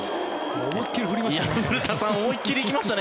思いっ切り振りましたね。